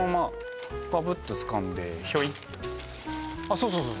そうそうそう